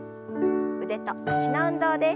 腕と脚の運動です。